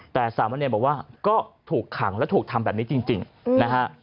แต่สามะเนรบอกว่าก็ถูกขังและถูกทำแบบนี้จริงนะฮะ